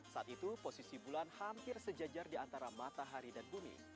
saat itu posisi bulan hampir sejajar di antara matahari dan bumi